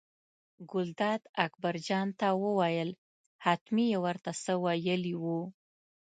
ګلداد اکبرجان ته وویل حتمي یې ور ته څه ویلي وو.